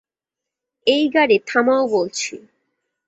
এই গাড়ি থামাও বলছি!